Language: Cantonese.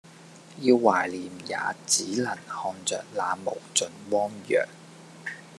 要懷念也只能看著那無盡汪洋